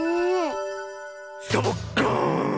サボッカーン！